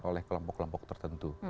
oleh kelompok kelompok tertentu